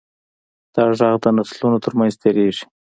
دا غږ د نسلونو تر منځ تېرېږي.